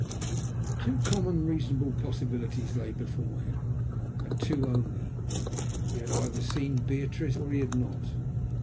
Two common, reasonable possibilities lay before him, and two only. He had either seen Beatrice, or he had not.